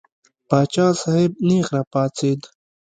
پاچا صاحب نېغ را پاڅېد.